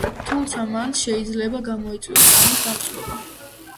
თუმცა, მან შეიძლება გამოიწვიოს კანის დამწვრობა.